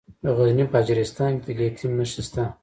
د غزني په اجرستان کې د لیتیم نښې شته.